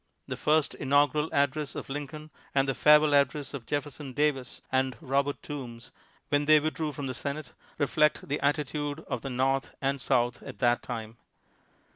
The first inau gural address of Lincoln and the farewell ad dresses of Jefferson Davis and Robert Toombs when they withdrew from the Senate reflect the attitude of the North and South at that time.